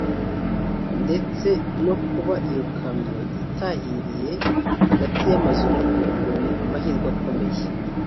ndetse no kuba iyo kamyo itahiriye hagati y’amazunabyo ngo ni amahirwe akomeye